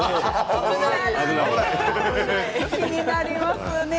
気になりますね。